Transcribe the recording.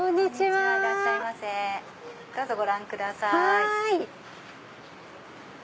はい。